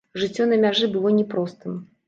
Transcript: Жыццё на мяжы было не простым.